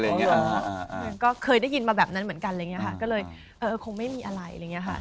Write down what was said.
เลยก็เคยได้ยินมาแบบนั้นเหมือนกันเลยแล้วค่ะก็เลยคงไม่มีอะไรรึยังนี้ค่ะ